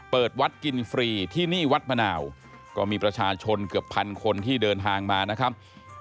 เปิดวัดกินฟรีที่นี่วัดมะนาวก็มีประชาชนเกือบพันคนที่เดินทางมานะครับ